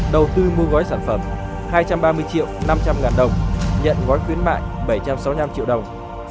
đầu tư mua gói sản phẩm hai trăm ba mươi triệu năm trăm linh ngàn đồng nhận gói khuyến mại bảy trăm sáu mươi năm triệu đồng